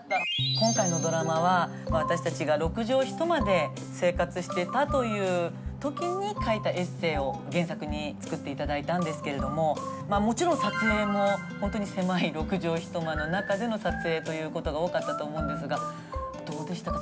今回のドラマは私たちが６畳一間で生活していたという時に書いたエッセイを原作に作って頂いたんですけれどももちろん撮影も本当に狭い６畳一間の中での撮影ということが多かったと思うんですがどうでしたか？